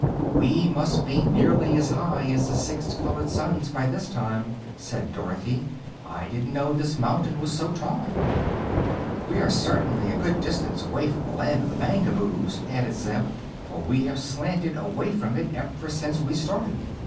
"We must be nearly as high as the six colored suns, by this time," said Dorothy. "I didn't know this mountain was so tall." "We are certainly a good distance away from the Land of the Mangaboos," added Zeb; "for we have slanted away from it ever since we started."